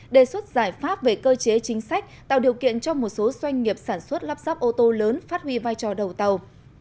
đề xuất giải pháp về cơ chế chính sách tạo điều kiện cho một số doanh nghiệp sản xuất lắp ráp ô tô lớn phát huy vai trò đầu tàu